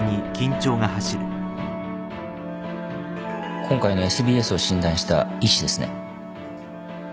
今回のＳＢＳを診断した医師ですね。